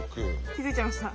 気づいちゃいました？